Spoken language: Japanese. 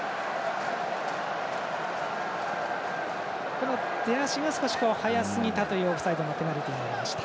この出足が少し早すぎたということでオフサイドのペナルティとなりました。